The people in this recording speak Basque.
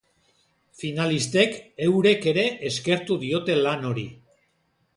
Finalistek eurek ere eskertu diote lan hori.